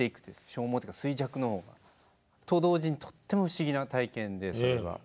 消耗っていうか衰弱の方が。と同時にとっても不思議な体験でそれは。